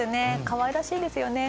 かわいらしいですよね。